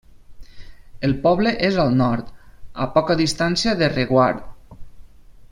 El poble és al nord, a poca distància, de Reguard.